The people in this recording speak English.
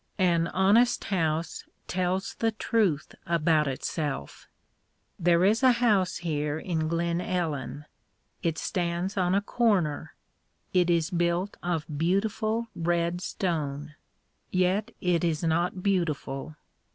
An honest house tells the truth about itself. There is a house here in Glen Ellen. It stands on a corner. It is built of beautiful red stone. Yet it is not beautiful.